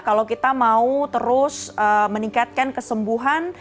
kalau kita mau terus meningkatkan kesembuhan